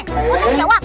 lho tau ngejawab